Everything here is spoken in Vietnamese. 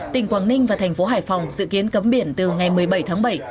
tỉnh quảng ninh và thành phố hải phòng dự kiến cấm biển từ ngày một mươi bảy tháng bảy